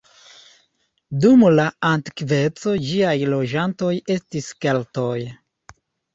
Dum la antikveco ĝiaj loĝantoj estis Keltoj.